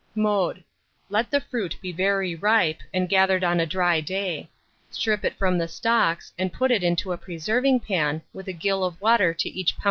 Mode. Let the fruit be very ripe, and gathered on a dry day. Strip it from the stalks, and put it into a preserving pan, with a gill of water to each lb.